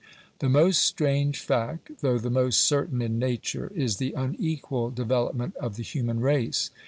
The most strange fact, though the most certain in nature, is the unequal development of the human race.